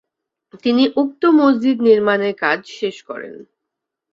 তিনি উক্ত মসজিদ নির্মাণের কাজ শেষ করেন।